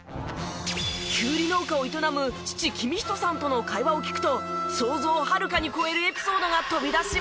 キュウリ農家を営む父公人さんとの会話を聞くと想像をはるかに超えるエピソードが飛び出しました。